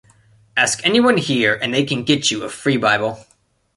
Ask anyone here and they can get you a free bible.